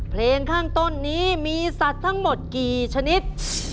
เพลงข้างต้นนี้มีสัตว์ทั้งหมดกี่ชนิด